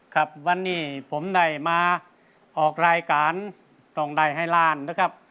ครับวันนี้ผมได้มาออกรายการร้องได้ให้ล้านนะครับ